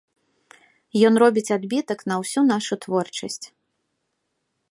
Ён робіць адбітак на ўсю нашу творчасць.